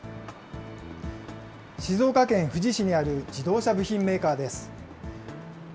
静岡県富士市にある自動車部品メーカーです。